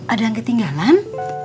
ada yang ketinggalan